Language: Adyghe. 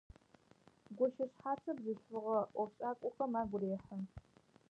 Гощэшъхьацыр бзылъфыгъэ ӏофшӏакӏохэм агу рехьы.